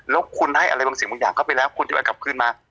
แล้วคุณให้อะไรบางสิ่งบางอย่างเข้าไปแล้วคุณจะไปกลับคืนมา